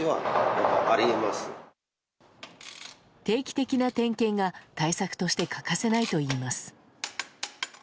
定期的な点検が対策として欠かせないといいます。